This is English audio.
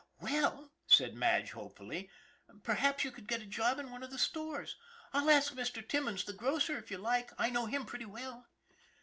Well," said Madge, hopefully, " perhaps you could get a job in one of the stores. I'll ask Mr. Timmons, the grocer, if you like. I know him pretty well."